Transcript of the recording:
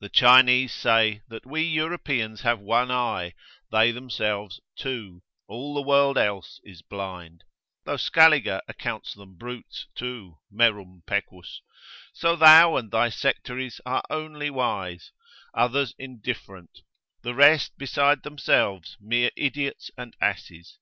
The Chinese say, that we Europeans have one eye, they themselves two, all the world else is blind: (though Scaliger accounts them brutes too, merum pecus,) so thou and thy sectaries are only wise, others indifferent, the rest beside themselves, mere idiots and asses.